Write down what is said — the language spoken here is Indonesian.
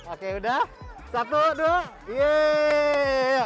oke udah satu dong yeay